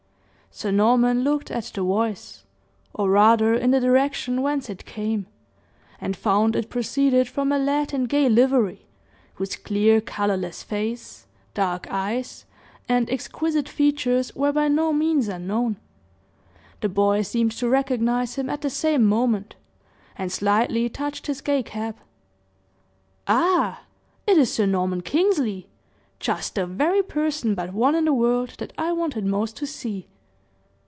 Sir Norman looked at the voice, or rather in the direction whence it came, and found it proceeded from a lad in gay livery, whose clear, colorless face, dark eyes, and exquisite features were by no means unknown. The boy seemed to recognize him at the same moment, and slightly touched his gay cap. "Ah! it is Sir Norman Kingsley! Just the very person, but one, in the world that I wanted most to see."